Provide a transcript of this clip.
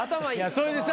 それでさ